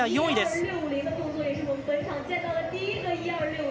４位です。